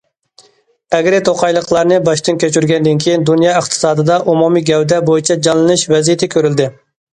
ئەگىر- توقايلىقلارنى باشتىن كەچۈرگەندىن كېيىن، دۇنيا ئىقتىسادىدا ئومۇمىي گەۋدە بويىچە جانلىنىش ۋەزىيىتى كۆرۈلدى.